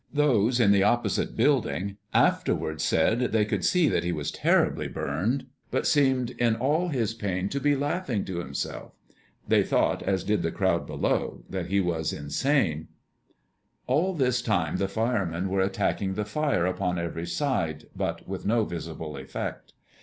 Those in the opposite building afterward said they could see then that he was terribly burned, but seemed in all his pain to be laughing to himself. They thought, as did the crowd below, that he was insane. All this time the firemen were attacking the fire upon every side, but with no visible effect.